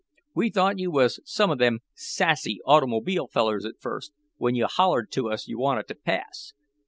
We thought you was some of them sassy automobile fellers at first when you hollered to us you wanted to pass.